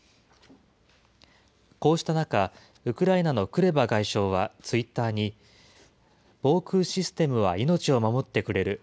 こうした中、ウクライナのクレバ外相はツイッターに、防空システムは命を守ってくれる。